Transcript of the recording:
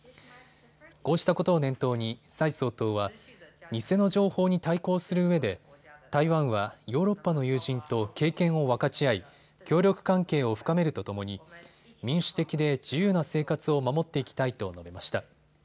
こうしたことを念頭に蔡総統は偽の情報に対抗するうえで台湾はヨーロッパの友人と経験を分かち合い協力関係を深めるとともに民主的で自由な生活を守っていきたいと述べました。